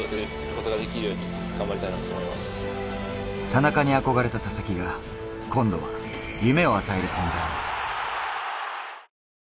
田中に憧れた佐々木が今度は夢を与える存在に。